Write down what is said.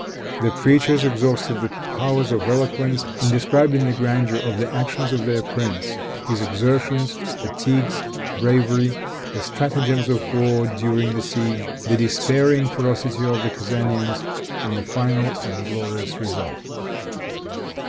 The preachers exhausted the powers of eloquence in describing the grandeur of the actions of their prince his exertions, fatigues, bravery, the stratagems of war during the siege, the despairing ferocity of the Kezanians and the final and glorious result.